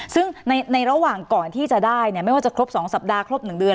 ซึ่งในระหว่างก่อนที่จะได้ไม่ว่าจะครบ๒สัปดาห์ครบ๑เดือน